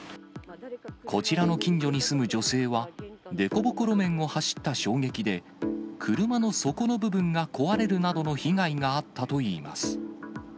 こちらの近所に住む女性は、凸凹路面を走った衝撃で、車の底の部分が壊れるなどの被害があったといいます。